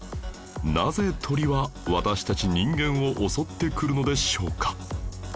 なぜ鳥は私たち人間を襲ってくるのでしょうか？